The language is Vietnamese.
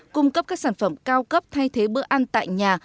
cung cấp các sản phẩm cao cấp thay thế bữa ăn tại nhà